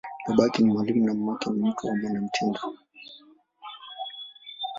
Babake ni mwalimu, na mamake ni mtu wa mwanamitindo.